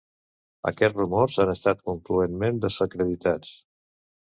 Aquests rumors han estat concloentment desacreditats.